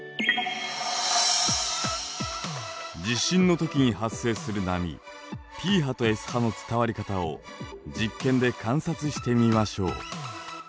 地震の時に発生する波Ｐ波とＳ波の伝わり方を実験で観察してみましょう。